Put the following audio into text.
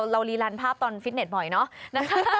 เราลีรันภาพตอนฟิตเนทบ่อยเนอะ